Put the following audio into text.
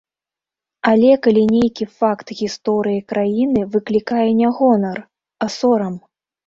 Але, калі нейкі факт гісторыі краіны выклікае не гонар, а сорам?